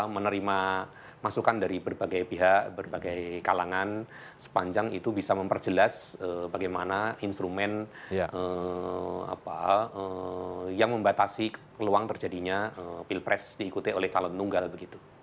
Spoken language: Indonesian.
menerima masukan dari berbagai pihak berbagai kalangan sepanjang itu bisa memperjelas bagaimana instrumen yang membatasi peluang terjadinya pilpres diikuti oleh calon tunggal begitu